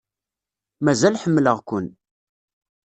Mazal ḥemmleɣ-ken.